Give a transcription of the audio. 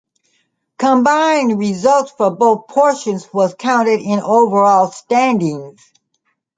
Combined result for both portions was counted in overall standings.